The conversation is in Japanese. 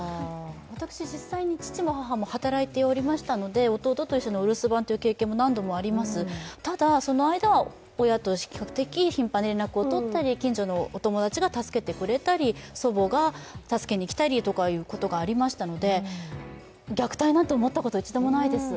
私、実際に父も母も働いておりましたので、弟と一緒にお留守番という経験も何度もあります、ただ、その間は親と比較的、頻繁に連絡をとったり、近所のお友達が助けに来てくれたり、祖母が助けに来たりしてくれたので、虐待なんて思ったことは一度もないです。